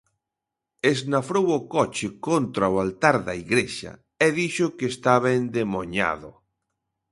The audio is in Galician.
Esnafrou o coche contra o altar da igrexa e dixo que estaba endemoñado.